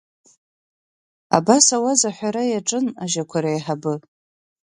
Абас ауаз аҳәара иаҿын ажьақәа реиҳабы.